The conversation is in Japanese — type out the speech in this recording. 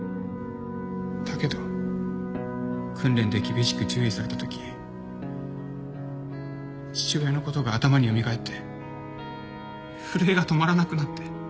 だけど訓練で厳しく注意されたとき父親のことが頭に蘇って震えが止まらなくなって。